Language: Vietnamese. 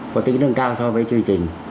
có tính nâng cao so với chương trình